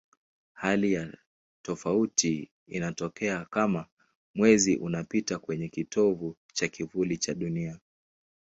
Hali ya tofauti inatokea kama Mwezi unapita kwenye kitovu cha kivuli cha Dunia.